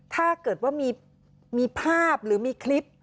ถ้าเกิดว่ามีภาพหรือมีคลิป